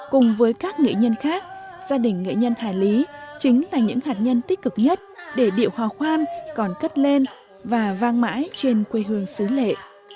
cùng với các nghệ nhân khác gia đình nghệ nhân hà lý chính là những hạt nhân tích cực nhất để điệu hò khoan còn cất lên và vang mãi trên quê hương xứ lệ